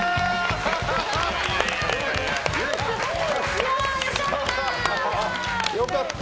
いやー、良かった！